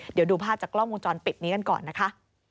เดี๋ยวดูภาพจากกล้องวงจรปิดนี้กันก่อนนะคะ